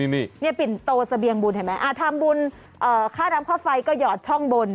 นี่ปิ่นโตเสบียงบุญเห็นไหมทำบุญค่าน้ำค่าไฟก็หยอดช่องบน